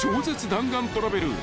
弾丸トラベル］